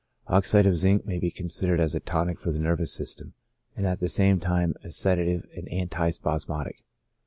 Oxide of zinc may be considered as a tonic for the nerv ous system, and at the same time a sedative and antispas modic.